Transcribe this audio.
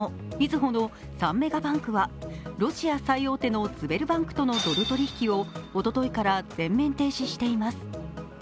三菱ＵＦＪ三井住友、みずほの３メガバンクはロシア最大手のズベルバンクとのドル取り引きをおとといから全面停止しています。